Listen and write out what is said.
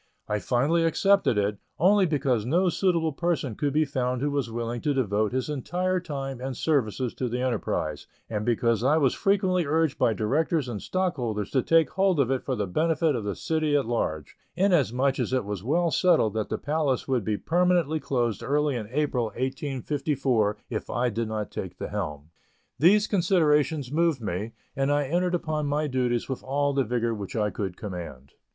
I finally accepted it, only because no suitable person could be found who was willing to devote his entire time and services to the enterprise, and because I was frequently urged by directors and stockholders to take hold of it for the benefit of the city at large, inasmuch as it was well settled that the Palace would be permanently closed early in April, 1854, if I did not take the helm. These considerations moved me, and I entered upon my duties with all the vigor which I could command.